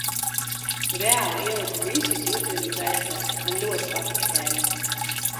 Reāli ieliku visu sirdi un dvēseli – man ļoti patika tēma.